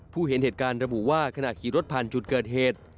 เห็นเหตุการณ์ระบุว่าขณะขี่รถผ่านจุดเกิดเหตุ